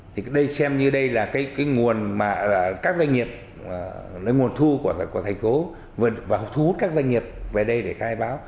thì xem như đây là cái nguồn thu của thành phố và thu hút các doanh nghiệp về đây để khai báo